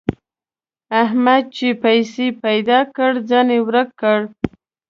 احمد چې پیسې پيدا کړې؛ ځان يې ورک کړ.